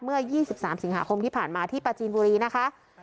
เมื่อยี่สิบสามสิงหาคมที่ผ่านมาที่ปาจีนบุรีนะคะ